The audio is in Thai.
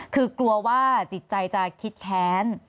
คือกลัวว่าจิตใจจะคิดแค้น